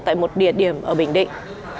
tại một địa điểm ở bình định